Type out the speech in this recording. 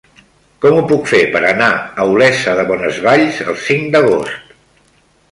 Com ho puc fer per anar a Olesa de Bonesvalls el cinc d'agost?